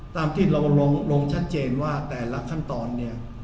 ตามที่เราลงชัดเจนว่าแต่ละขั้นตอนเนี่ย